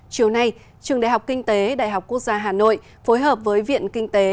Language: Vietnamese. chiều nay trường đại học kinh tế đại học quốc gia hà nội phối hợp với viện kinh tế